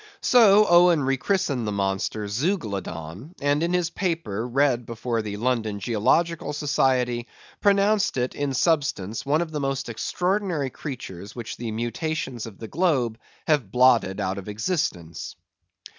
So Owen rechristened the monster Zeuglodon; and in his paper read before the London Geological Society, pronounced it, in substance, one of the most extraordinary creatures which the mutations of the globe have blotted out of existence.